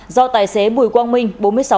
do tài xế bùi quang minh